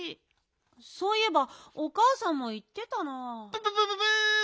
そういえばおかあさんもいってたな。